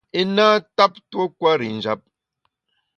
I na ntap tuo kwer i njap.